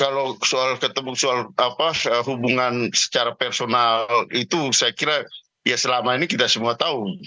kalau ketemu soal hubungan secara personal itu saya kira ya selama ini kita semua tahu